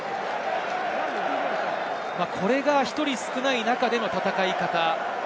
これが１人少ない中での戦い方。